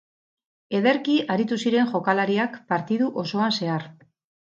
Ederki aritu ziren jokalariak partidu osoan zehar